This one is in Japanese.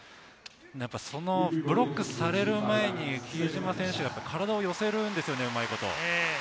ブロックされる前に比江島選手が体を寄せるんですよね、うまいこと。